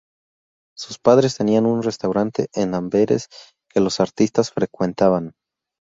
Sus padres tenían un restaurante en Amberes que los artistas frecuentaban.